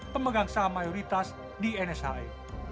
pemegang saham mayoritas di nshe